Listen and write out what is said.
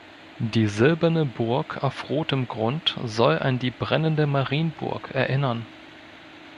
Die silberne Burg auf rotem Grund soll an die brennende „Marienburg“ erinnern.